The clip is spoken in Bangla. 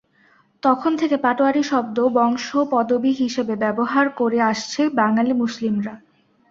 তখন থেকে পাটোয়ারী শব্দটি বংশ পদবী হিসেবে ব্যবহার করে আসছে বাঙ্গালী মুসলিমরা।